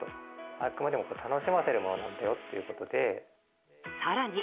あくまでも楽しませるものなんださらに。